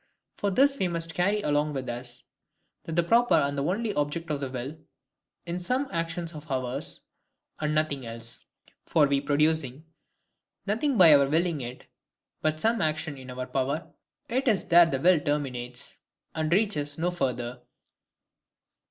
For this we must carry along with us, that the proper and only object of the will is some action of ours, and nothing else. For we producing nothing by our willing it, but some action in our power, it is there the will terminates, and reaches no further.